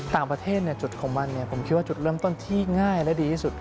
ต่างประเทศจุดของมันผมคิดว่าจุดเริ่มต้นที่ง่ายและดีที่สุด